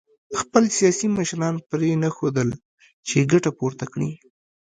خپل سیاسي مشران پرېنښودل چې ګټه پورته کړي